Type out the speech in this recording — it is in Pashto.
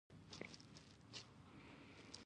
ایا زه باید ګیلاس وخورم؟